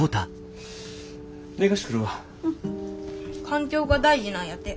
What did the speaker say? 環境が大事なんやて。